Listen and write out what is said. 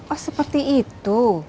oh seperti itu